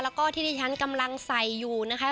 แล้วก็ที่ที่ฉันกำลังใส่อยู่นะคะ